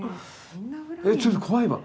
えちょっと怖いわ。